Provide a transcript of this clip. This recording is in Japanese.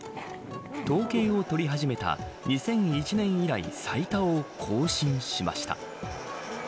統計を取り始めた２００１年以来最多を更新しました。